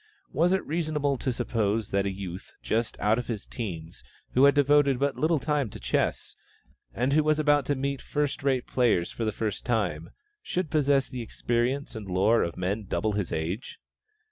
Was it reasonable to suppose that a youth, just out of his teens, who had devoted but little time to chess, and who was about to meet first rate players for the first time, should possess the experience and lore of men double his age?